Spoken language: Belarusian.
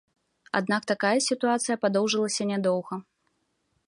Аднак такая сітуацыя падоўжылася нядоўга.